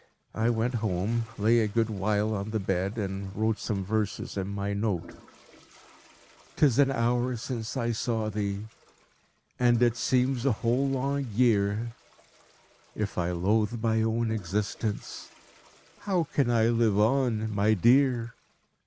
I went home, lay a good while on the bed, and wrote some verses in my note: "'Tis an hour since I saw thee, And it seems a whole long year; If I loathe my own existence, How can I live on, my dear?"